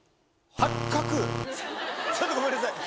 ちょっとごめんなさい。